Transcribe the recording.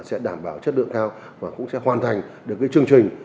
sẽ đảm bảo chất lượng theo và cũng sẽ hoàn thành được cái chương trình